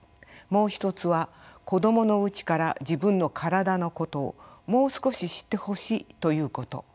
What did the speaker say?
もう一つは子どものうちから自分の体のことをもう少し知ってほしいということ。